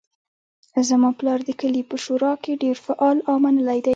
زما پلار د کلي په شورا کې ډیر فعال او منلی ده